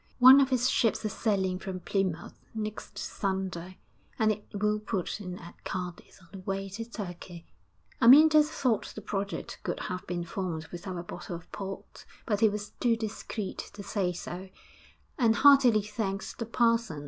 One of his ships is sailing from Plymouth next Sunday, and it will put in at Cadiz on the way to Turkey.' Amyntas thought the project could have been formed without a bottle of port, but he was too discreet to say so, and heartily thanked the parson.